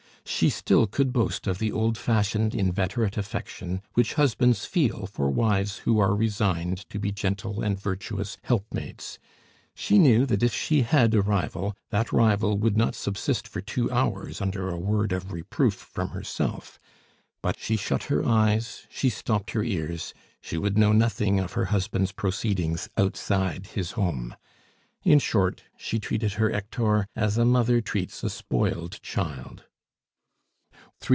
She still could boast of the old fashioned, inveterate affection which husbands feel for wives who are resigned to be gentle and virtuous helpmates; she knew that if she had a rival, that rival would not subsist for two hours under a word of reproof from herself; but she shut her eyes, she stopped her ears, she would know nothing of her husband's proceedings outside his home. In short, she treated her Hector as a mother treats a spoilt child.